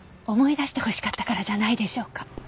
思い出してほしかったからじゃないでしょうか？